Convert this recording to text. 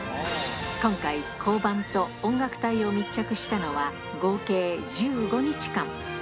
今回、交番と音楽隊を密着したのは合計１５日間。